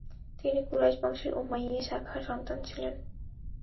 তিনি কুরাইশ বংশের উমাইয়্যা শাখার সন্তান ছিলেন।